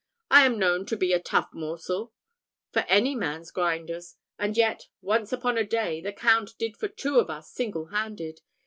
I am known to be a tough morsel for any man's grinders; and yet, once upon a day, the Count did for two of us singlehanded.